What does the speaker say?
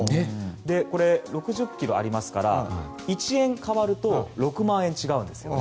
これ、６０ｋｇありますから１円変わると６万円違うんですね。